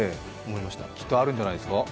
きっとあるんじゃないですか。